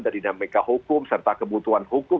dari dinamika hukum serta kebutuhan hukum